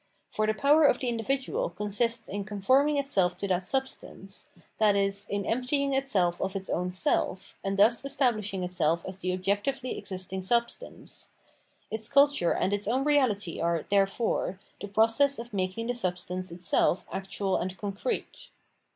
For the power of the iudividual consists in conforming itself to that substance, i.e. in emptying itself of its own self, and thus estab li shin g itself as the objectively existing substance. Its culture and its o wn reahty are, therefore, the process of making the substance itseh actual and concrete.